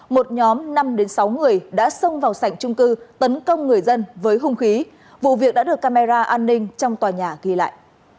một nhóm năm sáu người đã xông vào sảnh trung cư tấn công người dân với hung khí vụ việc đã được camera an ninh trong tòa nhà ghi lại